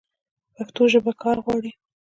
پښتو ژبه کار غواړي.